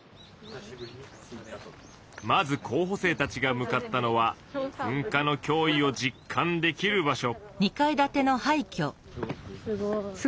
まず候補生たちが向かったのは噴火の脅威を実感できる場所。